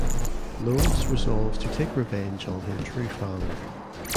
Lois resolves to take revenge on her true father.